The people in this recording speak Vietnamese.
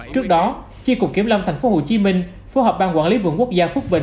trước đó chiếc cục kiểm lâm tp hcm phù hợp bang quản lý vườn quốc gia phúc bình